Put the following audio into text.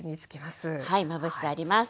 はいまぶしてあります。